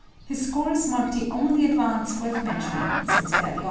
His scores mark the only advance worth mentioning since Berlioz."